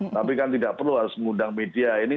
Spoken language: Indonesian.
tapi kan tidak perlu harus mengundang media ini